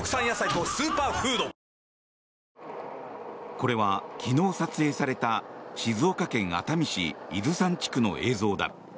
これは、昨日撮影された静岡県熱海市伊豆山地区の映像だ。